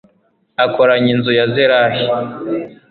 akoranya inzu ya zerahi